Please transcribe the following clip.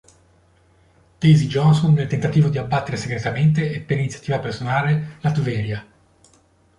Daisy Johnson nel tentativo di abbattere segretamente e per iniziativa personale Latveria.